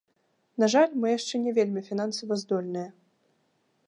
На жаль мы яшчэ не вельмі фінансава здольныя.